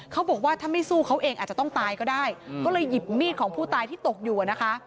เขาบอกว่าถ้าไม่สู้เขาเองอาจจะต้องตายก็ได้ก็เลยหยิบมีดของผู้ตายที่ตกอยู่นะคะ